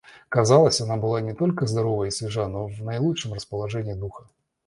Казалось, она была не только здорова и свежа, но в наилучшем расположении духа.